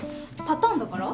パターンだから？